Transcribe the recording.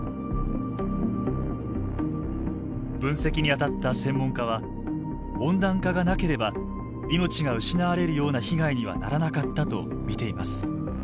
分析に当たった専門家は温暖化がなければ命が失われるような被害にはならなかったと見ています。